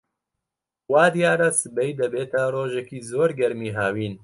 وا دیارە سبەی دەبێتە ڕۆژێکی زۆر گەرمی هاوین.